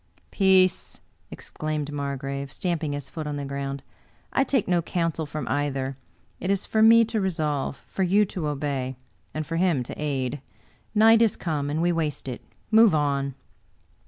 " Peace !" exclaimed Margrave, stamping his foot on the ground. "I take no counsel from either; it is for me to resolve, for you to obey, and for him to aid. Night is come, and we waste it ; move on."